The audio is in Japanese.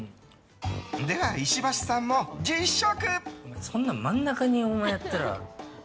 では、石橋さんも実食！